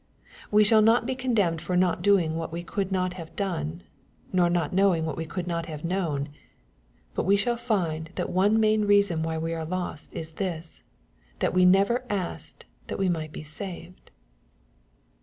We shall not be condemned for not doing what we could not have done, or not knowing what we could not have known. But we shall find that one main reason why we are lost is this, that we never asked that we might be saved.